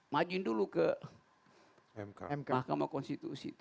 majuin dulu ke mahkamah konstitusi